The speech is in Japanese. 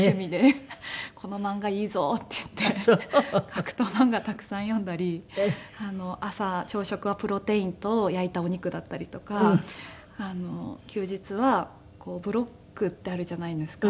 格闘漫画たくさん読んだり朝朝食はプロテインと焼いたお肉だったりとか休日はブロックってあるじゃないですか。